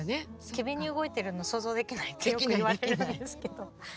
機敏に動いているの想像できないってよく言われるんですけど。